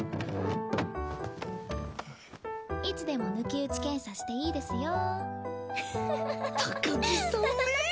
いつでも抜き打ち検査していいですよ。